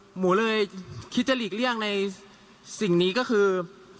หนูเลยคิดจะหลีกเลี่ยงในสิ่งนี้ก็คือ